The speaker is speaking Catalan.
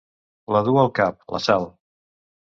La du al cap, la Sal.